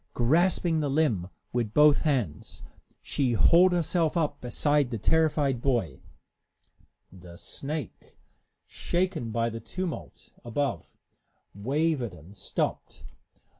Grasping the limb with both hands, she hauled herself up beside the terrified boy. The snake, shaken by the tumult above, wavered and stopped.